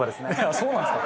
そうなんですか。